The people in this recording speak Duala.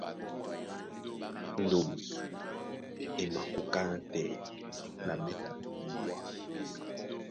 Ndôm e makoká nátɛna méta dibuá.